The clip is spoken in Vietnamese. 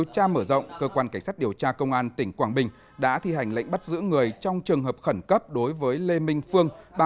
tra mở rộng cơ quan cảnh sát điều tra công an tỉnh quảng bình đã thi hành lệnh bắt giữ người trong trường hợp khẩn cấp đối với lê minh phương